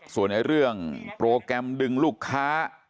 ส่วนเรื่องโปรแกรมดึงลูกค้า